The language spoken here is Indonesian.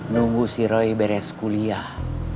nunggu si roy beres kuliah